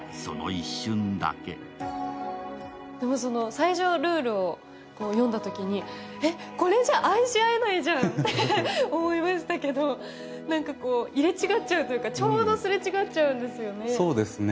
最初、ルールを読んだときに、これじゃあ、愛し合えないじゃんと思いましたけど、入れ違っちゃうというかちょうどすれ違っちゃうんですよね。